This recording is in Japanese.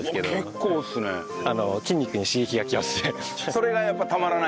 それがやっぱたまらない？